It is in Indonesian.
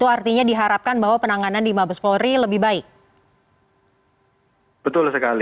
artinya diharapkan bahwa penanganan di mabes polri lebih baik